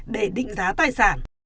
để định giá tài sản